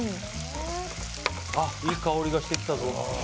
いい香りがしてきた。